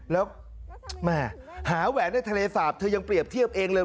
แล้วแม่หาแหวนในทะเลสาบเธอยังเปรียบเทียบเองเลย